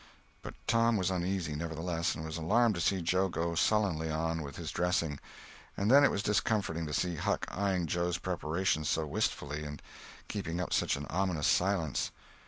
But Tom was uneasy, nevertheless, and was alarmed to see Joe go sullenly on with his dressing. And then it was discomforting to see Huck eying Joe's preparations so wistfully, and keeping up such an ominous silence.